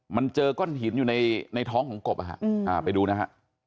มันเจอก้อนหินอยู่ในท้องของกบไปดูนะฮะ